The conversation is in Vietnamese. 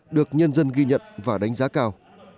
được nhân dân ghi nhận và đánh giá cao